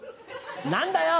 何だよ！